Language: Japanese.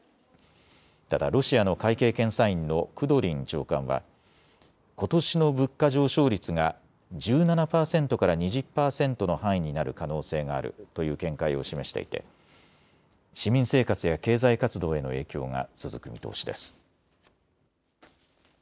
ただロシアの会計検査院のクドリン長官はことしの物価上昇率が１７％から２０％の範囲になる可能性があるという見解を示していて市民生活や経済活動への影響が続く見通しです。